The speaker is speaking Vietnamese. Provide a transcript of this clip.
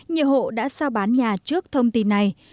nhiều hộ đã sao bán nhà trước thông tin này